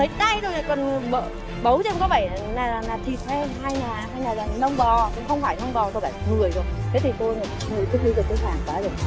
mấy tay tôi còn bấu trên có vẻ là thịt hay là nông bò không phải nông bò có vẻ là người rồi thế thì tôi tự nhiên là tôi phản quá rồi